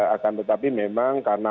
akan tetapi memang karena